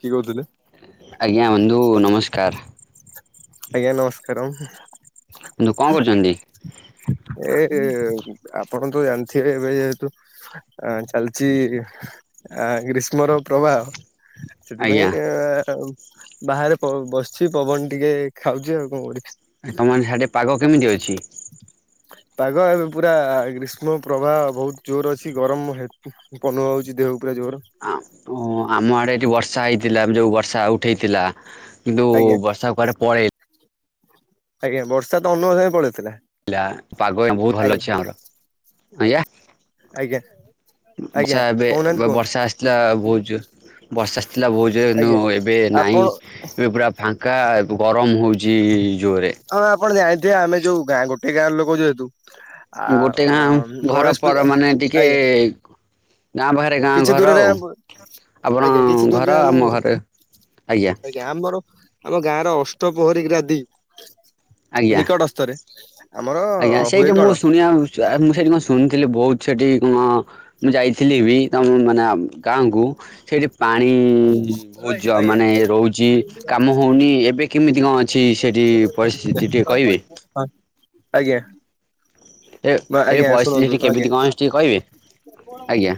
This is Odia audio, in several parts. କିଏ କହୁଥିଲେ? ଆଜ୍ଞା ବନ୍ଧୁ ନମସ୍କାର। ଆଜ୍ଞା ନମସ୍କାରମ। [unintelligible] କଁ କରୁଛନ୍ତି? ଏଇଟି ଆପଣ ତ ଜାଣିଥିବେ ଏବେ ଯେହେତୁ ଅ ଚାଲିଚି ଆ ଗ୍ରୀଷ୍ ଷ୍ମର ପ୍ରବାହ ଆଜ୍ଞା ସେଥିପାଇଁ ଆଉ ବାହାରେ ପ ବସିଛି ପବନ ଟିକେ ଖାଉଚି ଆଉ କଁ କରିବି। ତମର ସିଆଡେ ପାଗ କେମିତି ଅଛି? ପାଗ ଏବେ ପୁରା ଗ୍ରୀଷ୍ମ ପ୍ରବାହ ବହୁତ ଜୋର ଅଛି ଗରମ ହେ ପନ ହଉଚି ଦେହକୁ ପୁରା ଜୋର। ଆଁ ପୁ ଆମ ଆଡେ ଏଠି ବର୍ଷା ହେଇଥିଲା ଯୋଉ ବର୍ଷା ଉଠେଇଥିଲା। କିନ୍ତୁ ଆଜ୍ଞା ବର୍ଷା କୁଆଡ଼େ ପଳେଇ ଆଜ୍ଞା ବର୍ଷା ତ ଅନୁଭବ ସାଙ୍ଗେ ପଳେଇଥିଲା। ଲା ପାଗ ଏଇନା ବହୁତ ଭଲ ଆଜ୍ଞା ଅଛି ଆମର। ଆଜ୍ଞା ଆଜ୍ଞା। ଆଜ୍ଞା ବର୍ଷା ଏବେ କହୁନାହାନ୍ତି କୁହନ୍ତୁ ବର୍ଷା ଆସ ଥିଲା ବହୁତ ଜୋର ବର୍ଷା ଆସିଥିଲା ବହୁତ ଜୋରେ କିନ୍ତୁ ଆଜ୍ଞା ଏବେ ଆପଣ ନାଇଁ ଏବେ ପୁରା ଫା ଙ୍କା ଏ [unintelligible] ଗରମ ହଉଚି ଜୋରେ। ହଁ ଆପଣ ଜାଣିଥିବେ ଆମେ ଯୋଉ ଗାଁ ଗୋଟେ ଗାଁର ଲୋକ ଯେହେତୁ ଗୋଟେ ଗାଁ ଆଉ ଘର ଗଣେଶ ପର ପୂଜା ମାନେ ଟିକେ ଆଜ୍ଞା। ଗାଁ ପାଖରେ ଗାଁ କିଛି ଘର ଦୂରରେ ଆଉ। ଆ ଆପଣ ଆଜ୍ଞା କିଛି ଦୂରରେ ଆମ ଘର। ଆଜ୍ଞା ଆମର ଆମ ଗାଁର ଅଷ୍ଟପୋହରୀ ଗ୍ରାଦି ଆଜ୍ଞା। ନିକଟସ୍ତରେ। ଆଜ୍ଞା ସେଇଠି ମୁଁ ଶୁଣିଆ ମୁଁ ସେଇଠି କଁ ଶୁଣୁଥିଲି ବହୁତ ସେଠି କଁ ମୁଁ ଯାଇଥିଲି ବି ତମ ମାନେ ଗାଁକୁ ସେଇଠି ପାଣି ବହୁତ ଯ ଆଜ୍ଞା। ମାନେ ରହୁଚି କାମ ହଉନି ଏବେ କେମିତି କଁ ଅଛି ସେଠି ପରିସ୍ଥିତି ଟିକେ କହିବେ? ହଁ ଆଜ୍ଞା। ଏ ଏ ଆଜ୍ଞା ଶୁଣନ୍ତୁ ପରିସ୍ଥିତିି ଆଜ୍ଞା କେମିତି କଁ ଅଛି ଟିକେ କହିବେ? ଆଜ୍ଞା।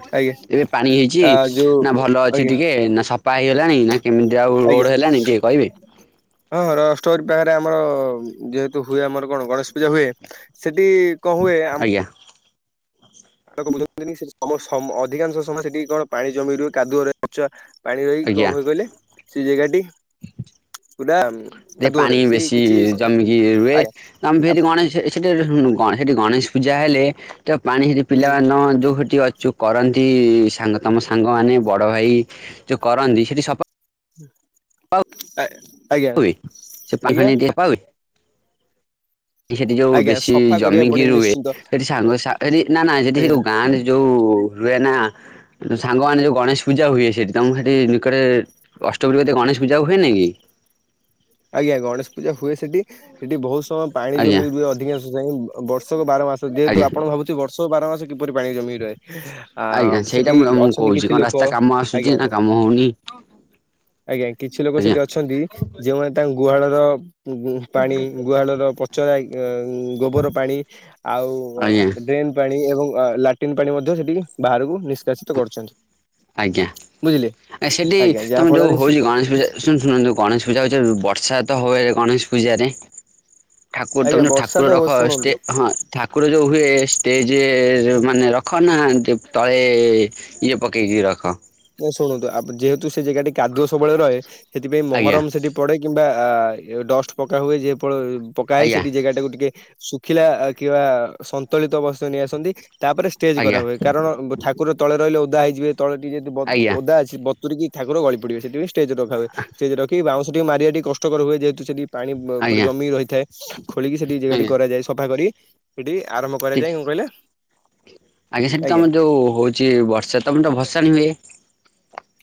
ଏବେ ପାଣି ହେଇଚି, ଆ ଯୋଉ ନା ଭଲ ଅଛି ଆଜ୍ଞା ଟିକେ, ନା ସଫ ପା ହେଇଗଲାଣି ନା କେମିତି ଆଉ ଆଜ୍ଞା ରୋଡ ହେଲାଣି ଟିକେ କହିବେ? ହଁ ହଁ ରଷ୍ଟୋରି ପାଖରେ ଆମର ଯେ ତୁ ହୁଏ ଆମର କଣ ଗଣେଶ ପୂଜା ହୁଏ, ସେଠି କଁ ହୁଏ ଆମ ଆଜ୍ଞା [unintelligible] ଅଧିକାଂଶ ସମୟ ସେଠି କଣ ପାଣି ଜମି ରୁହେ କାଦୁଅ [unintelligible] ପଚା ପାଣି ରହିକି କଁ ଆଜ୍ଞା। ହୁଏ କହିଲେ ସେ ଜେଗାଟି ପୁରା ଯେ କାଦୁଅ ପାଣି ରହେ ସେଠି ବେଶୀ କିଛି ଜମିକି ରୁହେ ଆଜ୍ଞା ତମ [unintelligible] ଗଣେଶ ସେଠି ସେଠି ଗଣେଶ ପୂଜା ହେଲେ ତ ପାଣି ସେଠି ହୁଁ। ପିଲାମାନ ଯୋଉ ସେଠି ଅଛୁ କରନ୍ତି ସାଙ୍ଗ ତମ ସାଙ୍ଗମାନେ ବଡ଼ ଭାଇ ଯୋଉ କରନ୍ତି ସେଠି ସ ହୁଁ [unintelligible] ହୁଏ ସେ ପାଣି ଆଜ୍ଞା ଫାଣି ସେଠି ସଫା ହୁଏ। ସେଠି ଯୋଉ ଆଜ୍ଞା ବେଶୀ ସଫା କରିବାକୁ ଜମିକି ପଡେ ରୁହେ ନିଶ୍ଚିନ୍ତ ସେଠି ସାଙ୍ଗ [unintelligible] ନା ନା ସେଠି ସେ ଆଜ୍ଞା ଯୋଉ ଗାଁରେ ଯୋଉ ହୁଏ ନା ସାଙ୍ଗମାନୋ ଯୋଉ ଗଣେଶ ପୂଜା ହୁଏ ସେଠି ତମକୁ ସେଠି ନିକଟରେ ଅଷ୍ଟ ପ୍ରହରି କତିରେ ଗଣେଶ ପୂଜା ହୁଏ ନି କି? ଆଜ୍ଞା ଗଣେଶ ପୂଜା ହୁଏ। ସେଠ ସେଠି ବହୁତ ପାଣି ଆଜ୍ଞା ଜମି ରୁ ଅଧିକାଂଶ ବର୍ଷକ ବାର ମାସ ଯେହେତୁ ଆଜ୍ଞା ଆପଣ ଭାବୁ ସବୁ ବାର ମାସ କିପରି ପାଣି ଜମି ରହେ। ଆ ଆଜ୍ଞା ସେଇଟା ସେଠି ମୁଁ ତମକୁ ଅଛନ୍ତି କହୁଛି କିଛି କଣ ଲୋକ ରାସ୍ତା କାମ ଆସୁଛି ଆଜ୍ଞା। ନା କାମ ହଉନି ଆଜ୍ଞା କିଛି ଲୋକ ଆଜ୍ଞା ସେଠି ଅଛନ୍ତି ଯୋଉମାନେ ତାଙ୍କ ଗୁହାଳର ଉ ପାଣି ଗୁହାଳର ପଚରା ଗୋବର ପାଣି ଆଉ ଆଜ୍ଞା। ଡ୍ରେନ୍। ପାଣି ଏବଂ ଲାଟିନ୍ ପାଣି ମଧ୍ୟ ସେଠି ବାହାରକୁ ନିଷ୍କାସିତ କରୁଛନ୍ତି। ଆଜ୍ଞା ବୁଝିଲେ ଆ ସେଠି ଆଜ୍ଞା ଯାହା ତୁମେ ଯୋଉ ଫଳରେ ହୋଉଛି ଗଣେଶ ପୂଜା। ଶୁ ଶୁଣନ୍ତୁ ଗଣେଶ ପୂଜା ହଉଛି ବର୍ଷା ତ ହୁଏ ଗଣେଶ ପୂଜାରେ। ଠାକୁର ଆଜ୍ଞା ତମ ଯେ ବର୍ଷା ଠାକୁର ତ ରଖ ଶୁଣନ୍ତୁ ଷ୍ଟେ ହଁ। ଠାକୁର ଯେଉଁ ହୁଏ ଷ୍ଟେଜ ମାନେ ରଖନା ତଳେ ଇଏ ପ ଏଇ ରଖ। ନା ଶୁଣନ୍ତୁ ଯେହେତୁ ସେ ଜାଗାଟି କାଦୁଅ ସବୁବେଳେ ରହେ। ସେଥିପାଇଁ ଆଜ୍ଞା ମହରମ ସେଠି ପଡେ କିମ୍ବା ଡଷ୍ଟ ପକା ହୁଏ ଯେ ପକା ହେଏ ଆଜ୍ଞା ସେଠି ଜାଗା ଟାକୁ ଟିକେ ଖିଲା କିବା ସନ୍ତୁଳିତ ବସ୍ତ ନେଇ ଆସନ୍ତି ତାପରେ ଷ୍ଟେଜ କରା ଆଜ୍ଞା ହୁଏ। କାରଣ ଠାକୁର ତଳେ ରହିଲେ ଓଦା ହେଇଯିବେ ତ ଟିକେ ଯଦି ଆଜ୍ଞା ଓଦା ଅଛି ବତୁରିକି ଠାକୁର ଗଳି ପଡିବେ ସେଠି। ଷ୍ଟେଜ ରଖା ଯାଏ ଷ୍ଟେଜ ରଖି ବାଉଁସ କୁ ମାରିବା ଟିକ କଷ୍ଟକର ହୁଏ। ଯେହେତୁ ସେଠି ପାଣି ପୁରା ଆଜ୍ଞା ଜମି ରହିଥାଏ। ଖୋଳିକି ସେଠି ଜାଗାଟି ଆଜ୍ଞା କରାଯାଏ। ସଫା କରି ସେଠି ଆରମ୍ଭ ଠିକ କରାଯାଏ। କଣ କହିଲେ? ଆଜ୍ଞା ସେଠି ତମର ଯୋଉ ହଉଛି ବର୍ଷା ତମର ତ ଭସାଣି ହୁଏ।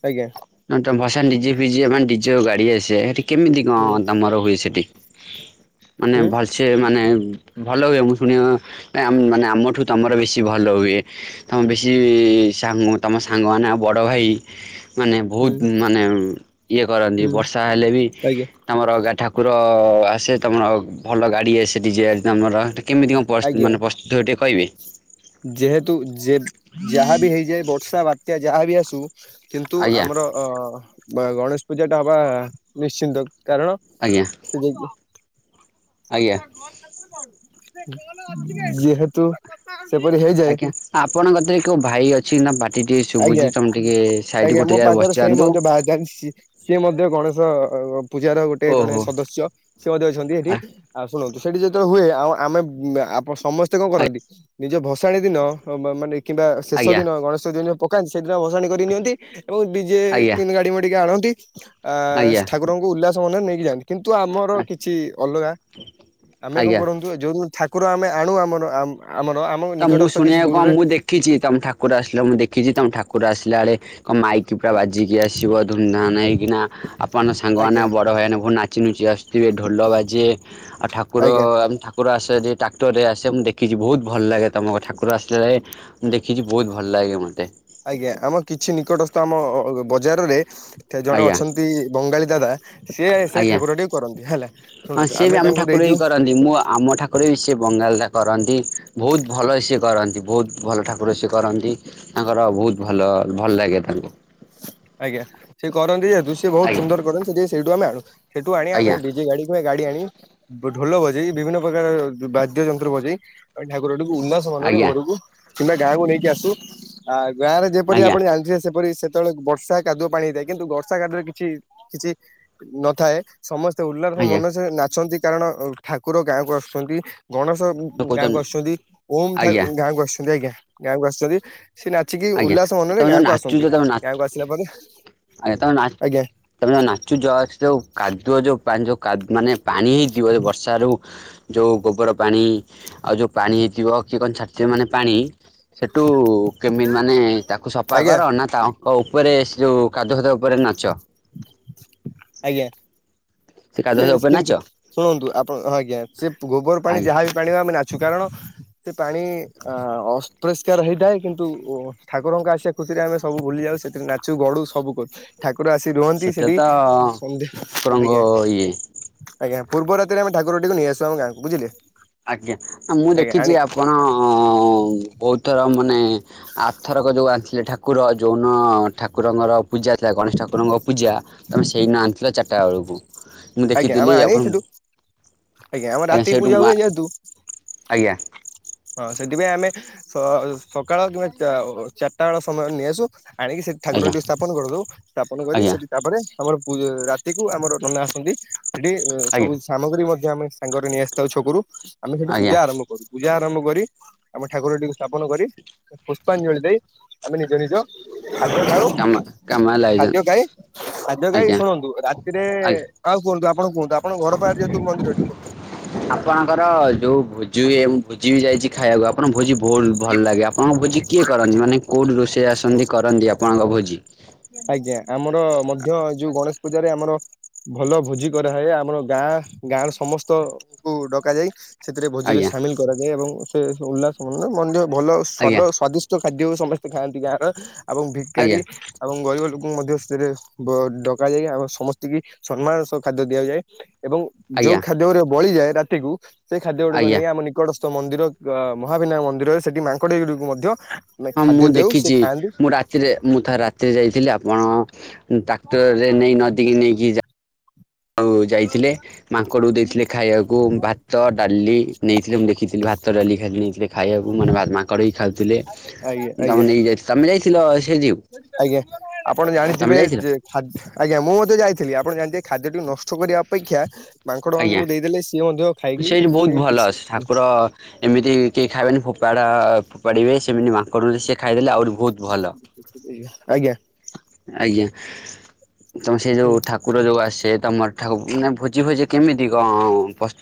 ଆଜ୍ଞା। ନା ତ ଭସାଣି ଡିଜେ ଫିଜେ ମାନେ ଡିଜେ ଆଉ ଗାଡି ଆସିବେ ସେଠି କେମିତି କଣ ହୁଁ ତମର ହୁଏ ସେଠି। ମାନେ ହୁଁ ଭଲ୍ ସେ ମାନେ ଭଲ ହୁଏ ମୁଁ ପୁଣି ମାନେ ଆମଠୁ ତୁମର ବେଶୀ ଭଲ ହୁଏ। ତମ ବେଶୀ ସାଙ୍ଗ ତମ ସାଙ୍ଗମାନେ ବଡ଼ ଭାଇ। ମାନେ ହୁଁ ବହୁତ ମାନେ ଇଏ କରନ୍ତି। ହୁଁ ବର୍ଷା ହେଲେ ବି ଆଜ୍ଞା ତମର ଠାକୁର ଆସେ ତମର ଭଲ ଗାଡି ଆସେ ସେଠି ଯେ ତମର। କେମିତି କଣ ଆଜ୍ଞା। ମାନେ ପ୍ରସ୍ତୁତ ହୁଏ ଟିକେ କିହିବେ? ଯେହେତୁ ଯାହାବି ହେଇଯାଏ ବର୍ଷା ବାତ୍ୟା ଯାହାବି ଆସୁ କିନ୍ତୁ ଆଜ୍ଞା ଆମର ଅ ଗଣେଶ ପୂଜା ଟା ହବା ନିଶ୍ଚିନ୍ତ। କାରଣ ଆଜ୍ଞା ସେ ଯୋଉ ଆଜ୍ଞା। ଯେହେତୁ ସେପରି ହେଇଯାଏ ଆଜ୍ଞା ଆପଣଙ୍କତିରେ କୋଉ ଭାଇ ଅଛି। ଛି ନା ପାଟି ଟିକେ ଆଜ୍ଞା। ଶୁଭୁଛି ତମେ ଟିକେ ସାଇଟ ଆଜ୍ଞା ମୋ ଗୋଟେ ଜାଗାରେ ପାଖରେ ବସି ସେଇ ଯାଆନ୍ତୁ। ମଧ୍ୟ ବା ସିଏ ମଧ୍ୟ ଗଣେଶ ପୂଜାର ଗୋଟେ ଜଣେ ଓହୋ ସଦସ୍ୟ। ସେ ମଧ୍ୟ ଅଛନ୍ତି ସେଠି ଆଜ୍ଞା ଆଉ ଶୁଣନ୍ତୁ ସେଠି ଯେତେବେଳେ ହୁଏ। ଆଉ ଆମେ ପ ସମସ୍ତେ କଣ କରନ୍ତି ନିଜ ଭସାଣି ଦିନ ମାନେ କିମ୍ବା ଶେଷ ଆଜ୍ଞା ଦିନ ଗଣେଶ ପକାନ୍ତି ସେଦିନ ଭସାଣି କରି ନିଅନ୍ତି। ଏବଂ ଡିଜେ କେ ଗାଡି ମଡିକି ଆଣନ୍ତି। ଆ ଆଜ୍ଞା ଠାକୁ ଠାକୁର ରଙ୍କୁ ଉଲ୍ଲାସ ମନ ନେଇକି ଯାଆନ୍ତି। କିନ୍ତୁ ଆମର କିଛି ଅଲଗା ଆମେ କଣ ଆଜ୍ଞା। କରନ୍ତୁ ଯୋଉ ଠାକୁର ଆମେ ଆଣୁ ଆମ ଆମର ଆମ ତ ମୁଁ ନିକଟସ୍ଥ କିଛି ଶୁଣିବାକୁ କଣ ଦୂରରେ ମୁଁ ଦେଖିଛି ତମ ଠାକୁର ଆସିଲା ମୁଁ ଦେଖିଛି ତମ ଠାକୁ ଆସିଲା ବେଳେ କଣ ମାଇକି ପୁରା ବାଜିକି ଆସିବ ଧୁମଧାମ ହେଇକିନା। ବାନଙ୍କ ସାଙ୍ଗମାନେ ଆଜ୍ଞା ବଡ଼ ଭାଇମାନେ ବହୁତ ନାଚି ନୁଚି ଆସିଥିବେ ଢୋଲ ବାଜେ ଆଉ ଆଜ୍ଞା। ଠାକୁର ଆସେ ଟ୍ରାକ୍ଟର ରେ ଆସେ ମୁଁ ଦେଖିଛି ବହୁତ ଭଲ ଲାଗେ ତୁମ ଠାକୁର ଆସିଲା ବେଳେ ମୁଁ ଦେଖିଛି ବହୁତ ଭଲ ଲାଗେ ମୋତେ। ଆଜ୍ଞା ଆମ କିଛି ନିକଟସ୍ଥ ଆମ ବଜାରରେ ଜଣେ ଆଜ୍ଞା ଅଛନ୍ତି ବଙ୍ଗାଳୀ ଦାଦା ସିଏ ସେଇ ଆଜ୍ଞା ଠାକୁରଟି କରନ୍ତି ହେଲା। ଶୁଣନ୍ତୁ ଆମେ ତାଙ୍କୁ ଦେଇଦଉ ଯେ ମୁଁ ଆମ ଠା କରଇ ସେ ବି ବଙ୍ଗାଳୀ ଦାଦା କରନ୍ତି। ବହୁତ ଭଲ ସିଏ କରନ୍ତି। ବହୁତ ଭଲ ଠାକୁର ସିଏ କରନ୍ତି। ତାଙ୍କର ବହୁତ ଭଲ ଭଲ ଲାଗେ ତାଙ୍କୁ। ଆଜ୍ଞା ସିଏ କରନ୍ତି ଯେହେତୁ ସିଏ ବହୁତ ଆଜ୍ଞା ସୁନ୍ଦର କରନ୍ତି ସେଥିପାଇଁ ସେଇଠୁ ଆମେ ଆଣୁ। ସେଠୁ ଆଣିଆ ଆମେ ଆଜ୍ଞା ଡି ଜେ ଗାଡ଼ି। ଗାଡ଼ି ଆଣି ବ ଢୋଲ ବଜେଇ ବିଭିନ୍ନ ପ୍ରକାର ବାଦ୍ୟ ଯନ୍ତ୍ର ବଜେଇ ଅ ଠାକୁରଟିକୁ ଉନସ ମନରେ ଆଜ୍ଞା ଘରକୁ କିମ୍ବା ଗାଁକୁ ନେଇକି ଆସୁ ଆ ଗାଁ ରେ ଯେପରି ଆଜ୍ଞା ଆପଣ ଜାଣିଥିବେ ସେପରି ସେ ଯେତେବେଳେ ବର୍ଷା କାଦୁଅ ପାଣି ହେଇଥାଏ କିନ୍ତୁ ବର୍ଷା କାଦୁଅରେ କିଛି କିଛି ନ ଥାଏ ସମସ୍ତେ ଉଲ୍ଲାସ ଆଜ୍ଞା ମନ ଇଚ୍ଛା ନାଚନ୍ତି କାରଣ ଅ ଠାକୁର ଗାଁକୁ ଆସୁଛନ୍ତି ଗଣେଶ ଉଁ ଉଁ ଗାଁକୁ କହୁଛନ୍ତି ଆସୁଛନ୍ତି ଓମ୍ ଠା ଆଜ୍ଞା ଉ ଗାଁ କୁ ଆସୁଛନ୍ତି ଆଜ୍ଞା ଗାଁକୁ ଆସୁଛନ୍ତି ସେ ନା ଚିକି କି ଉଲ୍ଲାସ ମନରେ ତମେ ଯୋଉ ଗାଁକୁ ନାଚୁଛ ଆସନ୍ତି। ତମେ ଆଜ୍ଞା ନାଚ ଗାଁକୁ ଆସିଲା ପରେ ତମେ ନା ଆଜ୍ଞା ତମେ ନାଚୁଛ ସେ ଯୋଉ କାଦୁଅ ଯୋଉ ପା ଯୋଉ କା ମାନେ ପାଣି ହେଇଥିବ ଏ ବର୍ଷା ରୁ। ଯଉ ଗୋବର ପାଣି ଆଉ ଯଉ ପାଣି ହେଇଥିବ କିଏ କଣ ଛାଡ଼ିଥିବ ମାନେ ପାଣି। ସେଠୁ କେମିତି ମାନେ ତାକୁ ସଫା ଆଜ୍ଞା କର ନା ତାଙ୍କ ଉପରେ ସେ ଯୋଉ କାଦୁଅ ଖତ ଉପରେ ନାଚ। ଆଜ୍ଞା। କାଦୁଅ ସେ ଫାଦୁଅ ଉପରେ ନାଚ କିନ୍ତୁ ଶୁଣନ୍ତୁ ଆପଣ ହଁ ଆଜ୍ଞା ସେ ଗୋବର ପାଣି ଆଜ୍ଞା ଯାହା ବି ପାଣିରେ ଆମେ ନାଚୁ କାରଣ। ସେ ପାଣି ଆ ଅସପରିଷ୍କାର ହେଇଥାଏ କିନ୍ତୁ ଉଁ ଠାକୁରଙ୍କ ଆସି ଖୁସି ରେ ଆମେ ସବୁ ଭୁଲି ଯାଉ ସେଥିରେ ନାଚୁ ଗଡ଼ୁ ସବୁ କରୁ ଠାକୁର ଆସ ରୁହନ୍ତି ସେଟା ସେଠି ତ ସନ୍ଧ୍ୟା ଠାକୁରଙ୍କ ଆଜ୍ଞା। ଇଏ ଆଜ୍ଞା ପୂର୍ବ ରାତିରେ ଆମେ ଠାକୁର ଟିକୁ ନେଇ ଆସୁ ଆମ ଗାଁକୁ ବୁଝିଲେ? ଆଜ୍ଞା ଆ ମୁଁ ଆଜ୍ଞା ଦେଖିଛି ଆଣି ଆପଣ। ଉଁ ବହୁତ ଥର ମାନେ ଆରଥରକ ଯୋଉ ଆଣିଥିଲେ ଠାକୁର ଯୋଉ ଦିନ ଠାକୁରଙ୍କର। ପୂଜା ଥିଲା ଗଣେଶ ଠାକୁରଙ୍କ ପୂଜା ତମେ ସେଇଦିନ ଆଣିଥିଲ ଚାରିଟା ବେଳକୁ। ମୁଁ ଆଜ୍ଞା ଆମେ ଦେଖିଥିଲି ଆଣି ଆପଣ ସେଠୁ ଆମ ଆଜ୍ଞା ରାତି ସେଇଠୁ ପୂଜା ମୁଁ ଆ ହୁଏ ଯେହେତୁ ଆଜ୍ଞା। ହଁ ସେଥିପାଇଁ ଆମେ ସ-ସକାଳ କିମ୍ବା ଚା ଅ ଚାରଟା ବେଳ ସମୟ ନେଇ ଆସୁ। ଆଣିକି ସେଠି ଠାକୁର ଆଜ୍ଞା ଟି କୁ ସ୍ଥା ପନ କରିଦଉ ସ୍ଥାପନ କରି ଆଜ୍ଞା ସେଠି ତାପରେ ଆମର ଇଏ ରାତିକୁ ଆମର ନନା ଆସନ୍ତି। ସେଠି ଅ ସବୁ ଆଜ୍ଞା ସାମଗ୍ରୀ ମଧ୍ୟ ଆମେ ସାଙ୍ଗରେ ନେଇ ଆସିଥାଉ ଛକରୁ ଆମେ ସେଠି ଆଜ୍ଞା ପୂଜା ଆରମ୍ଭ କରୁ ପୂଜା। ଆରମ୍ଭ କରି ଆମେ ଠାକୁରଟିକୁ ସ୍ଥାପନ କରି ଉ ପୁଷ୍ପାଞ୍ଜଳି ଦେଇ ଆମେ ନିଜ ନିଜ। ଖାଦ୍ୟ ଖାଉ। କାମ କାମ ଖାଦ୍ୟ ଲାଗିଛନ୍ତି ଖାଇ ଖାଦ୍ୟ ଖାଇ ଆଜ୍ଞା ଶୁଣନ୍ତୁ ରାତିରେ। ଆଜ୍ଞା ଆଉ କୁହନ୍ତୁ ଆପଣ କୁହନ୍ତୁ ଆପଣଙ୍କ ଘର ପାଖରେ ଯେହେତୁ ମନ୍ଦିରଟି କୁହ। ଆପଣଙ୍କର ଯୋଉ ଭୋଜି ହୁଏ ମୁଁ ଭୋଜି ବି ଯାଇଛି ଖାଇବାକୁ ଆପଣଙ୍କ ଭୋଜି ବହୁତ ଭଲ ଲାଗେ ଆ ଆପଣଙ୍କ ଭୋଜି କିଏ କରନ୍ତି ମାନେ କୋଉଠୁ ରୋଷେଇୟା ଆସନ୍ତି କରନ୍ତି ଆପଣଙ୍କ ଭୋଜି? ଆଜ୍ଞା ଆମର ମଧ୍ୟ ଯୋଉ ଗଣେଶ ପୂଜାରେ ଆମର। ଭଲ ଭୋଜି କରାହୁଏ ଆମର ଗାଁ ଗାଁ ର ସମସ୍ତଙ୍କୁ ଡକା ଯାଇ। ସେଥିରେ ଭୋଜିରେ ଆଜ୍ଞା ସାମିଲ କରାଯାଏ ଏବଂ ସେ ଉଲ୍ଲାସ ମନ୍ ମଧ୍ୟ ଭଲ ସ୍ଵାଦ ଆଜ୍ଞା ସ୍ଵାଦି ଖାଦ୍ୟକୁ ସମସ୍ତେ ଖାଆନ୍ତି ଗାଁର ଏବଂ ଆଜ୍ଞା ଭିକାରୀ। ଏବଂ ଗରିବ ଲୋକଙ୍କୁ ମଧ୍ୟ ସେଥିରେ ବ ଡକାଯାଇ ଆମ ସମସ୍ତିକି ସନ୍ମାନର ସହ ଖାଦ୍ୟ ଦିଆଯାଏ। ଏବଂ ଯୋଉ ଆଜ୍ଞା ଖାଦ୍ୟ ଗୁଡ଼ିକ ବଳିଯାଏ ରାତିକୁ ସେଇ ଖାଦ୍ୟ ଗୁଡ଼ିକ ଆଜ୍ଞା ନେଇ ଆମ ନିକଟ ମନ୍ଦିର ଆ ମହାବିନାୟକ ମନ୍ଦିରରେ ସେଠି ମାଙ୍କଡ ଗୁଡ଼ିକୁ ମଧ୍ୟ। ହଁ ଖାଦ୍ୟ ମୁଁ ଦେଉ ସେ ଦେଖିଛି ଖାଆନ୍ତି ମୁଁ ରା ରାତିରେ ମୁଁ ଥରେ ରାତିରେ ଯାଇଥିଲି ଆପଣ ଉଁ ଟ୍ରାକ୍ଟରରେ ନେଇ ନଦୀକି ନେଇକି ଯା ଆଉ ଯାଇଥିଲେ। ମାଙ୍କଡ କୁ ଦେଇଥିଲେ ଖାଇବାକୁ ଭାତ, ଡାଲି ନେଇଥିଲେ ମୁଁ ଦେଖିଥିଲି ଭାତ, ଡାଲି ଖାଲି ନେଇଥିଲେ। ଖାଇବାକୁ ମାନେ ମା-ମାଙ୍କଡ଼ ବି ଖାଉଥିଲେ। ଆଜ୍ଞା ତମେ ଆଜ୍ଞା। ନେଇକି ଯାଇ ତମେ ଯାଇଥିଲ ସେଇ ଠିକୁ। ଆଜ୍ଞା ଆପଣ ଜାଣିଥିବେ ଯେ ଆଜ୍ଞା ମୁଁ ମଧ୍ୟ ଯାଇଥିଲି ଆପଣ ଜାଣିଥିବେ ଖାଦ୍ୟଟି ନଷ୍ଟ କରିବା ଅପେକ୍ଷା ମାଙ୍କଡ ଆଜ୍ଞା ମାନଙ୍କୁ ଦେଇଦେଲେ ସିଏ ମଧ୍ୟ ଖାଇକି ସିଏ କିଛି ତ। ଏମିତି କେହି ଖାଇବେନି ଫୋପାଡ଼ା ଫୋପାଡ଼ିବେ ସେମିତି ମା ଙ୍କଡ ସିଏ ଖାଇଦେଲେ ଆହୁରି ବହୁତ ଭଲ। ଆଜ୍ଞା ଆଜ୍ଞା ତମ ସେ ଯୋଉ ହୁଁ ଠା କୁର ଯୋଉ ଆସିବେ ତ ମଠାକୁ ମାନେ ଭୋଜି ଭୋଜି କେମିତି କଣ?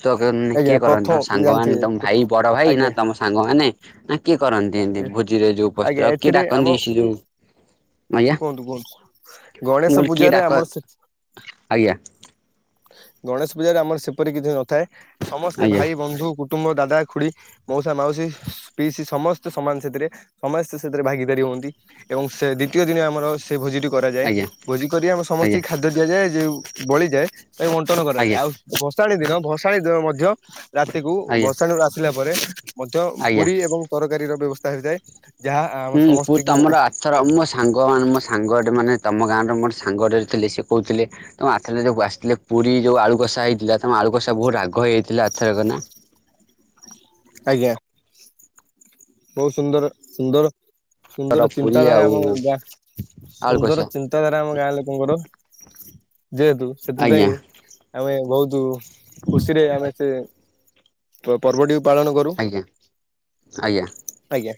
ତ ଆଜ୍ଞା କିଏ କରନ୍ତି ତମ ପ୍ରଥମ ସାଙ୍ଗମାନେ ତମ ଜାଣିଥିବେ ଭାଇ ବଡ ଭାଇ ନା ଆଜ୍ଞା ତମ ସାଙ୍ଗମାନେ ନା କିଏ କରନ୍ତି ଏମିତି ଭୋଜିରେ ଯୋଉ ଆଜ୍ଞା ପସ୍ତ କିଏ ଏଥିରେ ଆମ ଡାକନ୍ତି ଯୋଉ ଆଜ୍ଞା କୁହନ୍ତୁ କୁହନ୍ତୁ ମୁଁ ଗଣେଶ କହିଲି କିଏ ପୂଜାରେ ଡାକ ଆମର ସେ ଆଜ୍ଞା। ଗଣେଶ ପୂଜାରେ ଆମର ସେପରି କିଛି ନଥାଏ ସମସ୍ତେ ଆଜ୍ଞା ଭାଇ ବନ୍ଧୁ କୁ କୁଟୁମ୍ବ ଦାଦା ଖୁଡି ମଉସା ମାଉସୀ ପିଇସି ସମସ୍ତେ ସମାନ ସେଥିରେ ସମସ୍ତେ ସେଥିରେ ଭାଗିଦାରୀ ହୁଅନ୍ତି। ଏବଂ ସେ ଦ୍ଵିତୀୟ ଦିନ ଆମର ସେ ଭୋଜିଟି କରାଯାଏ ଆଜ୍ଞା ଭୋଜି କରି ଆମେ ସମସ୍ତେ ଆଜ୍ଞା ଖା ମଧ୍ୟ ଦିଆଯାଏ ଯେଉଁ ବଳିଯାଏ ତାକୁ ବଣ୍ଟନ କରାଯାଏ ଆଜ୍ଞା ଆଉ ଭଷାଳୀ ଦିନ ଭଷାଣି ଦିନ ମଧ୍ୟ ରାତିକୁ ଆଜ୍ଞା ଭସାଣିରୁ ଆସିଲା ପରେ ମଧ୍ୟ ଆଜ୍ଞା ପୁରୀ ଏବଂ ତରକାରୀର ବ୍ୟବସ୍ଥା ହେଇଥାଏ। ଯାହା ଆମେ ସମସ୍ତିଙ୍କୁ ଥର ମୋ ସାଙ୍ଗମାନେ ମୋ ସାଙ୍ଗଟେ ମାନେ ତମ ଗାଁର ମୋର ସାଙ୍ଗଟେ ଥିଲେ ସେ କହୁଥିଲେ? ତମ ଆରଥର ଯୋଉ ଆସିଥିଲା ପୁରୀ ଯୋଉ ଆଳୁକଷା ହେଇଥିଲା ତମ ଆଳୁ କଷା ବହୁତ ରାଗ ହେଇଯାଇଥିଲା ଆରଥରକନା। ଆଜ୍ଞା। ବହୁତ ସୁନ୍ଦର ସୁନ୍ଦର ସୁନ୍ଦର ପୁରୀ ଚିନ୍ତାଧାରା ଆଉ ଆମ ଗ ଆଳୁ କଷା ସୁନ୍ଦରଚିତା ଚିନ୍ତାଧାରା ଆମ ଗାଁ ଲୋକଙ୍କର ଯେହେତୁ ଆଜ୍ଞା ସେଥିପାଇଁ ଆମେ ବହୁତ ଖୁସିରେ ଆମେ ସେ ପର୍ବଟିକୁ ପାଳନ କରୁ। ଆଜ୍ଞା ଆଜ୍ଞା। ଆଜ୍ଞା।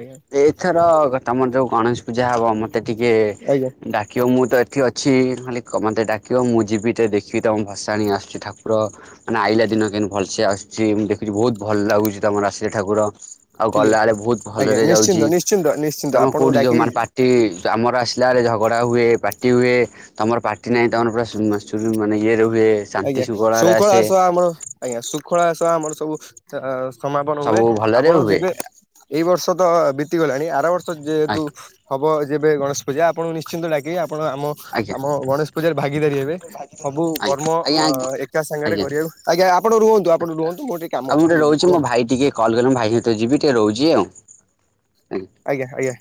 ଆଜ୍ଞା ଏଇଥର ତମର ଯୋଉ ଗଣେଶ ପୂଜା ହବ ମତେ ଟିକେ ଆଜ୍ଞା ଡାକିବ ମୁଁ ତ ଏଠି ଅଛି ଖାଲି ମୋତେ ଡାକିବ ମୁଁ ଯିବି ଟିକେ ଦେଖିବି ତମ ଭସାଣି ଆସୁଛି ଠାକୁର ମାନେ ଆଇଲା ଦିନ କେମତି ଭଲସେ ଆସଛି ଦେଖୁଛି ବହୁତ ଭଲ ଲାଗୁଛି ତମର ଆସିଲେ ଠାକୁର। ଆଉ ଠିକ ଗଲାବେଳେ ବହୁତ ଆଜ୍ଞା ଭଲରେ ନିଶ୍ଚିନ୍ତ ଯାଉଛି ନିଶ୍ଚିନ୍ତ ନିଶ୍ଚିନ୍ତ ତମ ଆପଣଙ୍କୁ କୋଉଠି ଯିବ ଡାକିବି ମାନେ ପା ପାଟି ଆମର ଆସିଲାବେଳେ ଝଗଡ଼ା ହୁଏ ପାଟି ହୁଏ। ତମର ପାଟି ନାହିଁ ତମର ପୁରା ମାନେ ଇଏରେ ହୁଏ। ଶାନ୍ତି ଆଜ୍ଞା ଶୃଙ୍ଖଳାରେ ଶୃଙ୍ଖଳା ଆସେ ସହ ଆମର ଆଜ୍ଞା ଶୃଖଳା ସହ ଆମର ସବୁ ସମାପନ ହୁଏ ସବୁ ଭଲରେ ଆପଣ ହୁଏ ଯେବେ ଏଇ ବର୍ଷ ତ ବିତିଗଲାଣି ଆର ବର୍ଷ ଯେହେତୁ ଆଜ୍ଞା ହବ ଯେବେ ଗଣେଶ ପୂଜା ଆପଣ ନିଶ୍ଚିନ୍ତ ଡାକିବେ ଆପଣ ଆମ ଆଜ୍ଞା ଆମ ଗଣେଶ ପୂଜାରେ ଭାଗିଦାରୀ ହେବେ ସବୁ ଆଜ୍ଞା କର୍ମ ଆଜ୍ଞା ଆଜ୍ଞା ହଁ ଏକା ସାଙ୍ଗରେ ଆଜ୍ଞା କରିବୁ ଆଜ୍ଞା ଆପଣ ରୁହନ୍ତୁ ଆପଣ ରୁହନ୍ତୁ ମୋର ଟିକେ ଆଉ କାମ ଅଛି ମୁଁ ଗୋଟେ ଯିବି ରହୁଛି ମୋ ରୁହନ୍ତୁ। ଭାଇ ଟିକେ କଲ୍ କଲ ଭାଇ ହିଁତ ଯିବିି ଟିକେ ରହୁଛି ଆଉ ଆଜ୍ଞା ଆଜ୍ଞା।